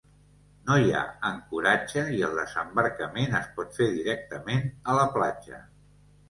No hi ha ancoratge i el desembarcament es pot fer directament a la platja.